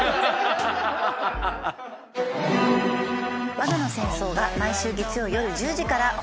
『罠の戦争』が毎週月曜夜１０時から放送中です。